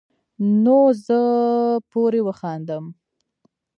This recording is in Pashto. نو زۀ پورې وخاندم ـ